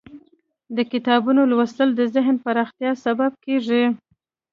د کتابونو لوستل د ذهن پراختیا سبب کیږي.